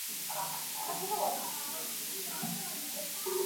在公元八世纪由波罗王朝国王护法成立。